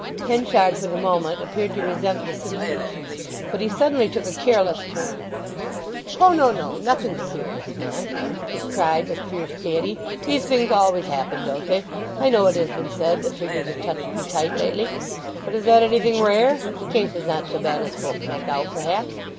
Henchard for the moment appeared to resent the sympathy; but he suddenly took a careless turn. "Ho, no, no!—nothing serious, man!" he cried with fierce gaiety. "These things always happen, don't they? I know it has been said that figures have touched me tight lately; but is that anything rare? The case is not so bad as folk make out perhaps.